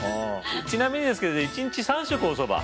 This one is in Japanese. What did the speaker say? ちなみにですけど１日３食おそば？